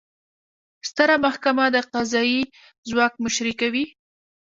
ستره محکمه د قضایي ځواک مشري کوي